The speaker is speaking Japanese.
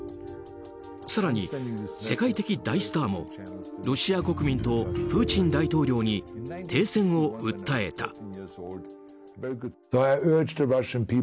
更に、世界的大スターもロシア国民とプーチン大統領に停戦を訴えた。